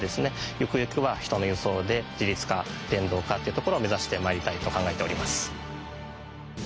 ゆくゆくは人の輸送で自律化電動化ってところを目指してまいりたいと考えております。